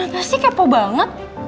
kenapa sih kepo banget